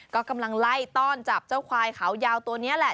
ก็กำลังไล่ต้อนจับเจ้าควายเขายาวตัวนี้แหละ